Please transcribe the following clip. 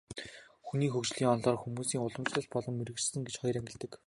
Хүний хөгжлийн онолоор хүмүүсийг уламжлалт болон иргэншсэн гэж хоёр ангилдаг.